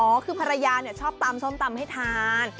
เฮ่ยอ๋อคือภรรยาชอบตำส้มตำให้ทาน